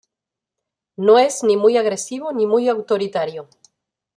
No es ni muy agresivo ni muy autoritario.